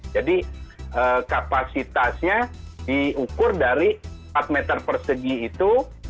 jadi kapasitasnya diukur dari empat meter persegi itu